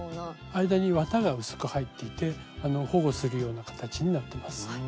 間に綿が薄く入っていて保護するような形になってます。